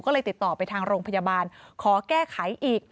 ก็เลยติดต่อไปทางโรงพยาบาลขอแก้ไขอีก